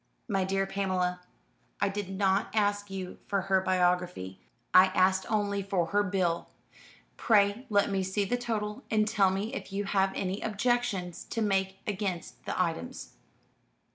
"My dear Pamela, I did not ask you for her biography, I asked only for her bill. Pray let me see the total, and tell me if you have any objections to make against the items."